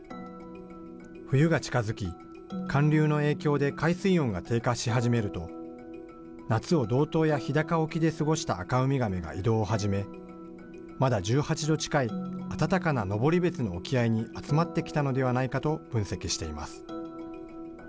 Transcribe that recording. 冬が近づき、寒流の影響で海水温が低下し始めると、夏を道東や日高沖で過ごしたアカウミガメが移動を始め、まだ１８度近い暖かな登別の沖合に集まってきたのではないかと分析しています。